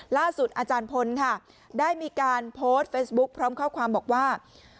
ล่าสุดอาจารย์พลค่ะได้มีการโพสต์เฟซบุ๊คพร้อมข้อความบอกว่า